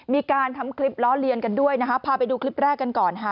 มีการทำคลิปล้อเลียนกันด้วยนะคะพาไปดูคลิปแรกกันก่อนค่ะ